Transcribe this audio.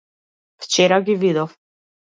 Вчера ги видов.